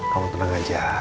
kamu tenang aja